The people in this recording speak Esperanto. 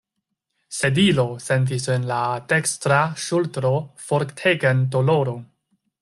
Sedilo sentis en la dekstra ŝultro fortegan doloron.